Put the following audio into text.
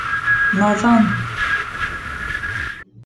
— Наҙан!